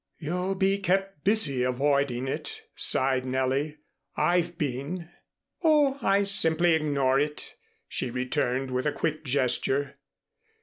"You'll be kept busy avoiding it," sighed Nellie. "I've been." "Oh, I simply ignore it," she returned, with a quick gesture.